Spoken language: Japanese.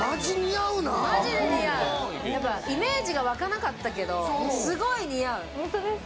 イメージが湧かなかったけど、すごい似合う。